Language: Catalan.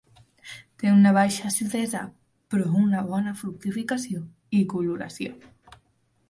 Té una baixa acidesa, però una bona fructificació i coloració.